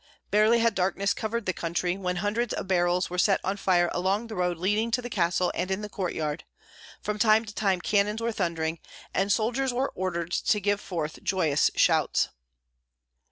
Barely had darkness covered the country when hundreds of barrels were set on fire along the road leading to the castle and in the courtyard; from time to time cannons were thundering, and soldiers were ordered to give forth joyous shouts.